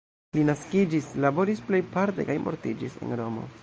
Li naskiĝis, laboris plejparte kaj mortiĝis en Romo.